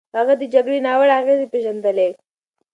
هغه د جګړې ناوړه اغېزې پېژندلې.